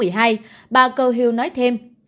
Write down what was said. tháng một mươi hai bà gohil nói thêm